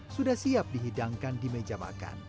sudah siap dihidangkan di meja makan